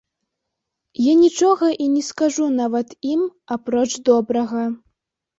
Я нічога і не скажу нават ім, апроч добрага.